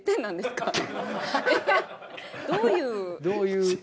どういう。